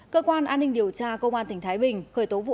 cơ quan an ninh điều tra công an tỉnh thái bình khởi tố vụ án